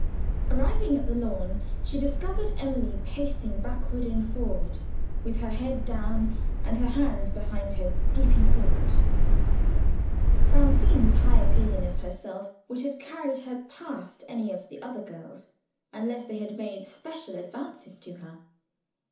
Arriving at the lawn, she discovered Emily pacing backward and forward, with her head down and her hands behind her, deep in thought. Francine's high opinion of herself would have carried her past any of the other girls, unless they had made special advances to her.